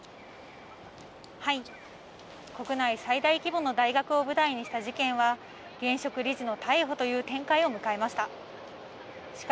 国内最大規模の大学を舞台にした事件は、現職理事の逮捕という展開を迎えました。